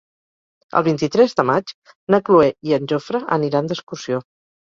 El vint-i-tres de maig na Cloè i en Jofre aniran d'excursió.